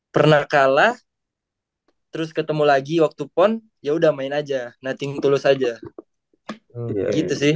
pernah kalah terus ketemu lagi waktu pon ya udah main aja nothing to lose aja gitu sih